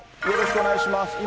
よろしくお願いします。